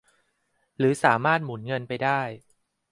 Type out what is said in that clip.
หรือสามารถหมุนเงินไปได้